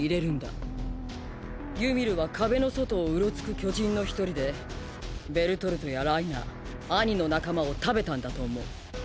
ユミルは壁の外をうろつく巨人の一人でベルトルトやライナーアニの仲間を食べたんだと思う。